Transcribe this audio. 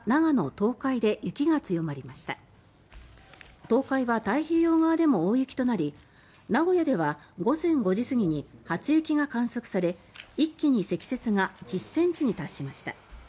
東海は太平洋側でも大雪となり名古屋では午前５時過ぎに初雪が観測され一気に積雪が１０ｃｍに達しました。